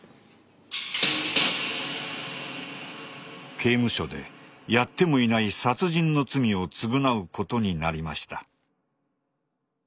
刑務所でやってもいない殺人の罪を償うことになりました。